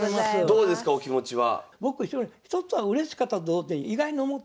どうですかお気持ちは。